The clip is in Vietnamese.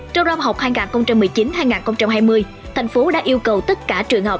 trong năm học hai nghìn một mươi chín hai nghìn hai mươi thành phố đã yêu cầu tất cả trường học